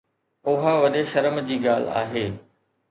اها وڏي شرم جي ڳالهه آهي